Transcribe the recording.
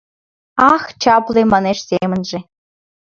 — Ах, чапле! — манеш семынже.